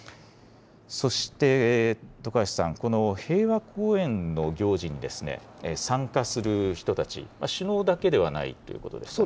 そして徳橋さん、平和公園の行事に参加する人たち、首脳だけではないということですね。